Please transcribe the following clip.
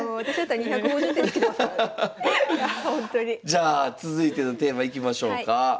じゃあ続いてのテーマいきましょうか。